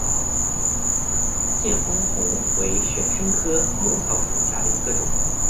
见风红为玄参科母草属下的一个种。